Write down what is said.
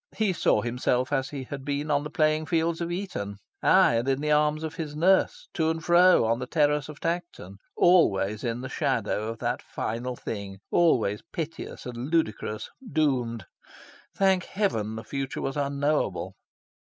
He saw himself as he had been on the playing fields of Eton; aye! and in the arms of his nurse, to and fro on the terrace of Tankerton always in the shadow of that final thing, always piteous and ludicrous, doomed. Thank heaven the future was unknowable?